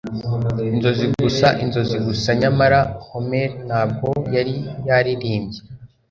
Inzozi gusa inzozi gusa Nyamara Homer ntabwo yari yaririmbye